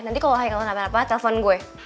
nanti kalau haikal gak apa apa telepon gue